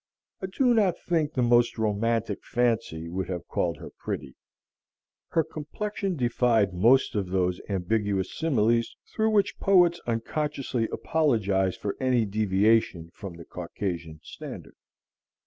I do not think the most romantic fancy would have called her pretty. Her complexion defied most of those ambiguous similes through which poets unconsciously apologize for any deviation from the Caucasian standard.